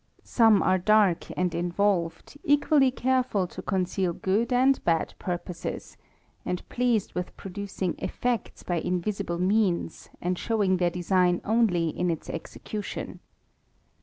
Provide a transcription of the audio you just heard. Some are dark and involved, equally caa ful to conceal good and bad purposes; and pleased with producing effects by invisible means, and showing their design only in its execution.